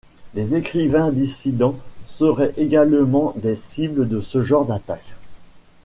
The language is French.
Les écrivains dissidents seraient également des cibles de ce genre d'attaques.